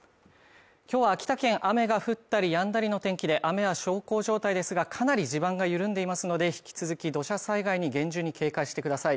今日は秋田県雨が降ったり止んだりの天気で雨は小康状態ですがかなり地盤が緩んでいますので引き続き土砂災害に厳重に警戒してください。